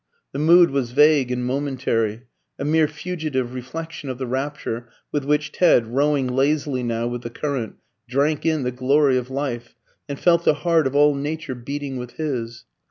The mood was vague and momentary a mere fugitive reflection of the rapture with which Ted, rowing lazily now with the current, drank in the glory of life, and felt the heart of all nature beating with his.